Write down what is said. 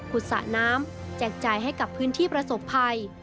สะน้ำแจกจ่ายให้กับพื้นที่ประสบภัย